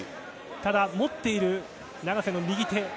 ただ持っている、永瀬の右手。